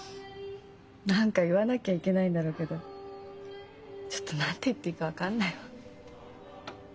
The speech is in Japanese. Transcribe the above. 何か言わなきゃいけないんだろうけどちょっと何て言っていいか分かんないわ。